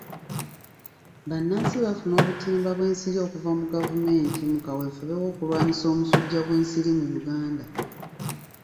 Bannansi bafuna obutimba bw'ensiri okuva mu gavumenti mu kawefube w'okulwanyisa omusujja gw'ensiri mu Uganda.